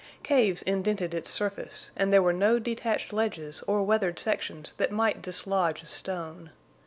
Caves indented its surface, and there were no detached ledges or weathered sections that might dislodge a stone.